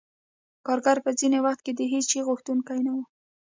کارګر به ځینې وخت د هېڅ شي غوښتونکی نه وو